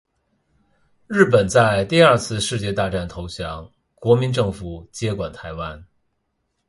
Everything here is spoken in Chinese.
日本在第二次世界大战投降，国民政府接管台湾。